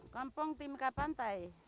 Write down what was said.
kampung timka pantai